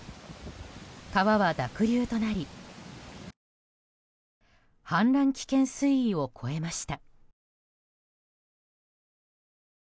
川は濁流となり氾濫危険水位を越えました。